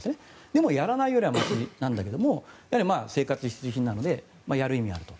でもやらないよりはましなんだけど生活必需品なのでやる意味はあると。